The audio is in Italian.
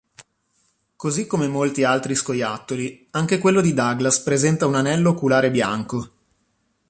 Così come molti altri scoiattoli, anche quello di Douglas presenta un anello oculare bianco.